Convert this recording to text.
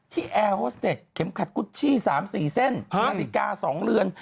แอร์โฮสเต็กเข็มขัดกุชชี่๓๔เส้น๕นาฬิกา๒เรือน